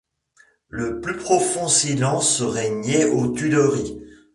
Le plus profond silence régnait aux Tuileries.